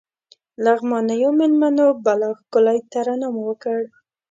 لغمانيو مېلمنو بلا ښکلی ترنم وکړ.